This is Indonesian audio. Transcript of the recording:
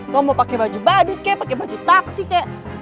lo mau pake baju badut kayaknya pake baju taksi kayaknya